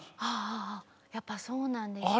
ああやっぱそうなんですね。